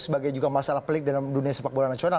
sebagai juga masalah pelik dalam dunia sepak bola nasional